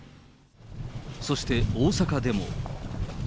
そして大阪でも。